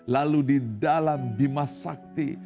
lalu di dalam bimas sakti